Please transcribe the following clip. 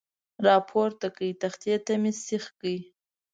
را پورته کړې، تختې ته مې سیخې کړې.